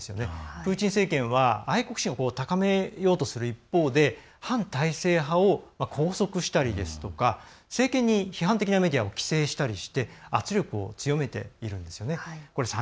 プーチン政権は愛国心を高めようとする一方で反体制派を拘束したりですとか政権に批判的なメディアを規制したりして圧力を強めているんですよね。